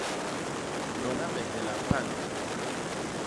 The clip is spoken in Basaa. Lona me hela pan.